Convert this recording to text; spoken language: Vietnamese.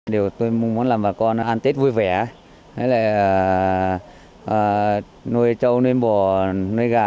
điều tôi muốn làm bà con ăn tết vui vẻ nôi trâu nôi bò nôi gà